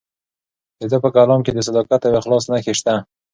د ده په کلام کې د صداقت او اخلاص نښې شته.